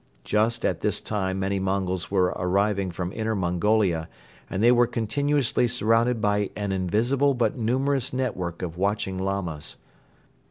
Just at this time many Mongols were arriving from Inner Mongolia and they were continuously surrounded by an invisible but numerous network of watching Lamas.